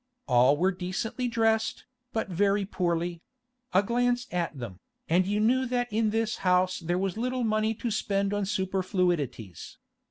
All were decently dressed, but very poorly; a glance at them, and you knew that in this house there was little money to spend on superfluities.